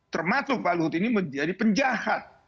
termasuk pak luhut ini menjadi penjahat